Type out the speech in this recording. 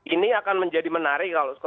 ini akan menjadi menarik